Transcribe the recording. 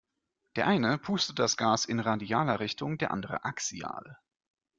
Der eine pustet das Gas in radialer Richtung, der andere axial.